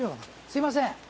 すいません。